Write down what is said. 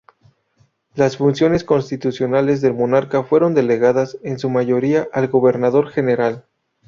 Las funciones constitucionales del monarca fueron delegadas en su mayoría al Gobernador General.